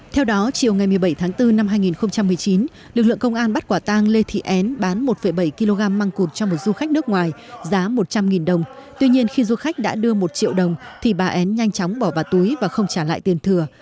theo đó chiều ngày một mươi bảy tháng bốn năm hai nghìn một mươi chín lực lượng công an bắt quả tang lê thị en bán một bảy kg măng cụt cho một du khách nước ngoài giá một trăm linh đồng tuy nhiên khi du khách đã đưa một triệu đồng thì bà en nhanh chóng bỏ vào túi và không trả lại tiền thừa